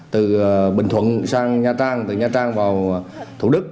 từ bình thuận sang nha trang từ nha trang vào thủ đức